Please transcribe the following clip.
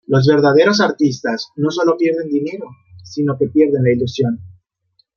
Los verdaderos artistas, no solo pierden dinero, sinó que pierden la ilusión.